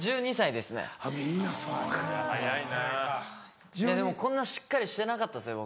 でもこんなしっかりしてなかったです僕。